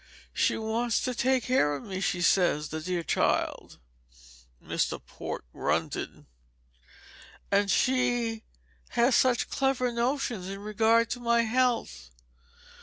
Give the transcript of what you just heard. She wants to take care of me, she says, the dear child!" (Mr. Port grunted.) "And she has such clever notions in regard to my health.